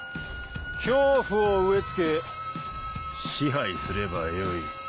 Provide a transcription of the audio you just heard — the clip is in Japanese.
恐怖を植え付け支配すればよい。